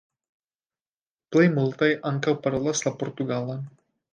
Plej multaj ankaŭ parolas la portugalan.